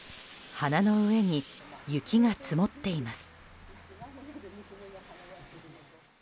花の上に雪が積もっています。